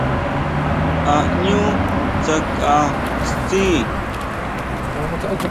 A ʼñú tsakʼa tsjí?